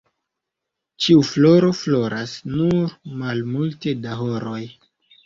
Ĉiu floro floras nur malmulte da horoj.